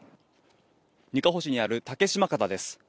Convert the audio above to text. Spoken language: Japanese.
にかほ市にある竹嶋潟です。